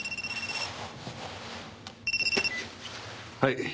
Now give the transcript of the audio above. はい。